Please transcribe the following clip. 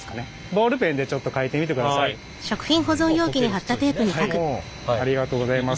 普通にね。ありがとうございます。